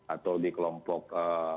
atau di kelompok